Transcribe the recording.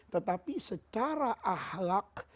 tetapi secara ahlak